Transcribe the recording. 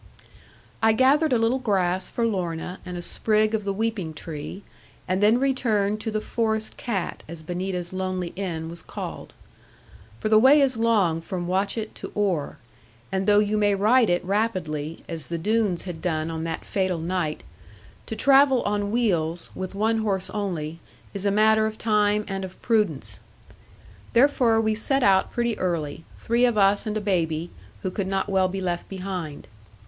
I gathered a little grass for Lorna and a sprig of the weeping tree, and then returned to the Forest Cat, as Benita's lonely inn was called. For the way is long from Watchett to Oare; and though you may ride it rapidly, as the Doones had done on that fatal night, to travel on wheels, with one horse only, is a matter of time and of prudence. Therefore, we set out pretty early, three of us and a baby, who could not well be left behind.